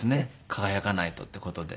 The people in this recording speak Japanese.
輝かないとっていう事で。